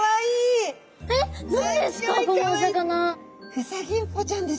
フサギンポちゃんですね。